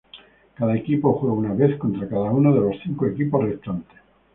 Cada equipo juega una vez contra cada uno de los cinco equipos restantes.